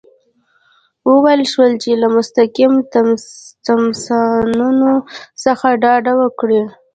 وویل شول چې له مستقیم تماسونو څخه ډډه وکړي.